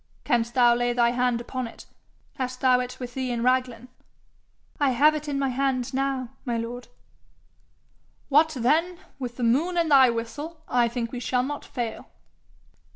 'Canst thou lay thy hand upon it? Hast thou it with thee in Raglan?' 'I have it in my hand now, my lord.' 'What then with the moon and thy whistle, I think we shall not fail.'